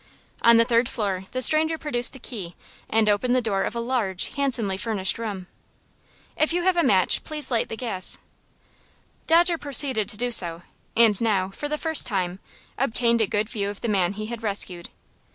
On the third floor the stranger produced a key and opened the door of a large, handsomely furnished room. "If you have a match, please light the gas." Dodger proceeded to do so, and now, for the first time, obtained a good view of the man he had rescued.